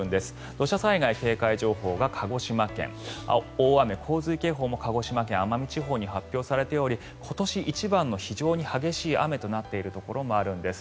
土砂災害警戒情報が鹿児島県大雨・洪水警報も鹿児島県奄美地方に発表されており今年一番の非常に激しい雨となっているところもあるんです。